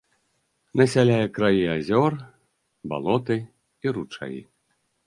Насяляе краі азёр, балоты і ручаі.